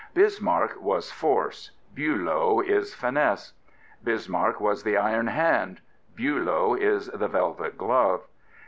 Bismarck was force: Bulow is finesse. Bismarck was the iron hand: Billow is the velvet glove.